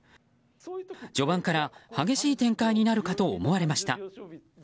序盤から激しい展開になるかと思われました。